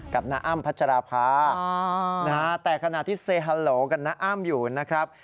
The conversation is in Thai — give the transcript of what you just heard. น้าอ้ำพัชราภาแต่ขณะที่เซฮัลโหลกับน้าอ้ำอยู่นะครับ